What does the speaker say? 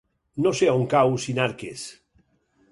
No sé on cau Sinarques.